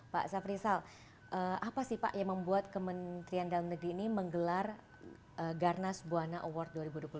pak safrisal apa sih pak yang membuat kementerian dalam negeri ini menggelar garnas buwana award dua ribu dua puluh tiga